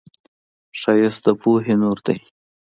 ښایست د پوهې نور دی